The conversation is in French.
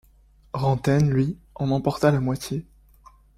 Rantaine lui en emporta la moitié.